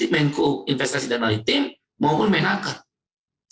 menko investasi dan maritim maupun menakar